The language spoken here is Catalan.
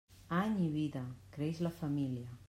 Any i vida, creix la família.